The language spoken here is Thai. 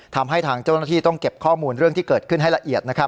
ทำให้ทางเจ้าหน้าที่ต้องเก็บข้อมูลเรื่องที่เกิดขึ้นให้ละเอียด